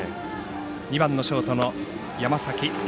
２番ショートの山崎凌